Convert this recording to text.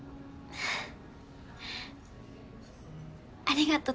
ありがと